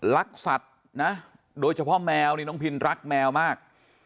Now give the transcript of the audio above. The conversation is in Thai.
รักสัตว์นะโดยเฉพาะแมวนี่น้องพินรักแมวมาก